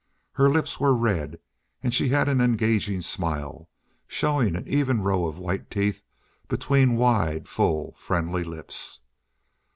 Her lips were red, and she had an engaging smile, showing an even row of white teeth between wide, full, friendly lips.